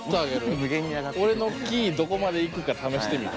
俺のキーどこまでいくか試してみる？